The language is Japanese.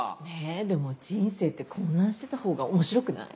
えでも人生って混乱してたほうが面白くない？